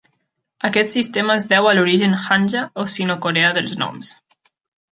Aquest sistema es deu a l'origen hanja o sino-coreà dels noms.